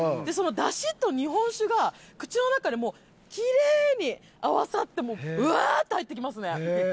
でそのだしと日本酒が口の中できれいに合わさってワーッて入ってきますね。